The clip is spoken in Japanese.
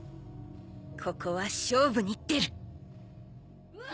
ここは勝負に出る！